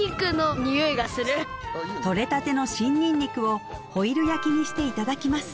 とれたての新にんにくをホイル焼きにしていただきます